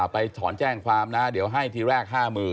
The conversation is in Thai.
ไปถอนแจ้งความนะเดี๋ยวให้ทีแรก๕๐๐๐